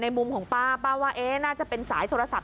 มุมของป้าป้าว่าน่าจะเป็นสายโทรศัพท์